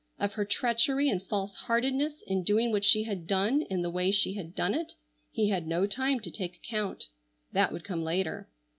Of her treachery and false heartedness in doing what she had done in the way she had done it, he had no time to take account. That would come later.